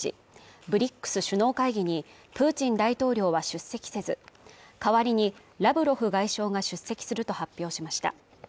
ＢＲＩＣｓ首脳会議にプーチン大統領は出席せず代わりにラブロフ外相が出席すると発表しました。